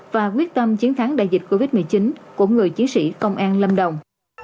và quyết tâm chiến thắng đại dịch covid một mươi chín của người chiến sĩ công an lâm đồng